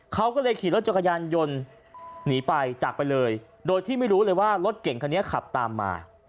เขาก็เลยขี่รถจักรยานยนต์หนีไปจากไปเลยโดยที่ไม่รู้เลยว่ารถเก่งคันนี้ขับตามมา